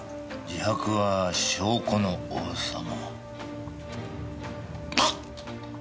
「自白は証拠の王様」。